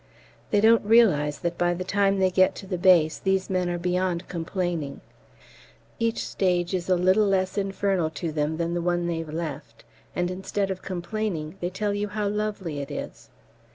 They don't realise that by the time they get to the base these men are beyond complaining; each stage is a little less infernal to them than the one they've left; and instead of complaining, they tell you how lovely it is!